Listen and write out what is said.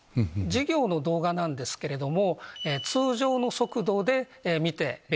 授業の動画なんですけれども。